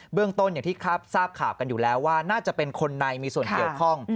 เรื่องต้นอย่างที่ทราบข่าวกันอยู่แล้วว่าน่าจะเป็นคนในมีส่วนเกี่ยวข้อง